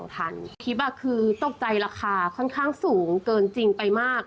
คลิปคือตกใจราคาค่อนข้างสูงเกินจริงไปมาก